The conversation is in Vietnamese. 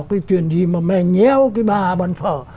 cái chuyện gì mà mẹ nheo cái bà bán phở